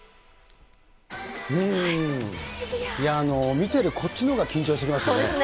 見てるこっちのほうが緊張しますね。